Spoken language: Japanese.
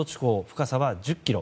深さは１０ｋｍ。